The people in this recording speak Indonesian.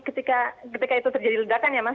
ketika itu terjadi ledakan ya mas